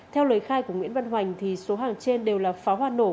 theo lời khai của nguyễn văn hoành số hàng trên đều là pháo hoa nổ